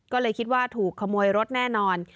ก็เลยคิดว่าถูกขโมยรถแน่นอน